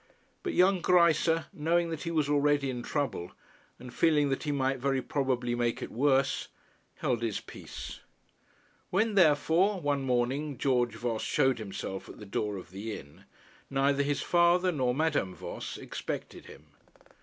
But young Greisse, knowing that he was already in trouble, and feeling that he might very probably make it worse, held his peace. When therefore one morning George Voss showed himself at the door of the inn, neither his father nor Madame Voss expected him.